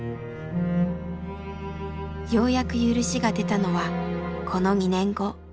ようやく許しが出たのはこの２年後。